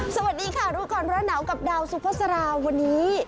สวัสดีค่ะรู้ก่อนร้อนหนาวกับดาวสุภาษาราวันนี้